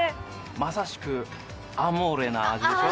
まさしくアモーレな味でしょう？